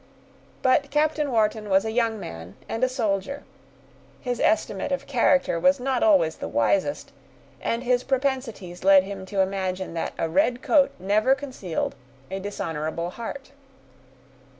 But Captain Wharton was a young man and a soldier; his estimate of character was not always the wisest; and his propensities led him to imagine that a red coat never concealed a dishonorable heart.